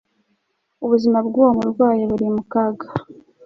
Ubuzima bwuwo murwayi buri mu kaga